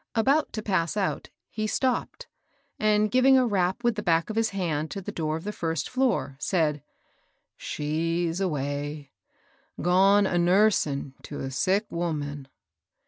About to pass out, he stopped, and giving a rap with the back of hia hand to the door of the first floor, said, —" She's away, — gone a nursin' to a sick woman.'